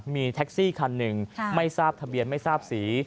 มีแท็กซี่คันหนึ่งไม่ทราบทะเบียนไม่ทราบสี